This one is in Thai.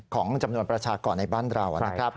ของจำนวนประชากรในบ้านเรา